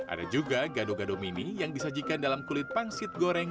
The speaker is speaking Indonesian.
ada juga gado gado mini yang disajikan dalam kulit pangsit goreng